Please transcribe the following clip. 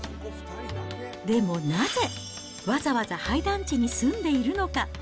でもなぜ、わざわざ廃団地に住んでいるのか。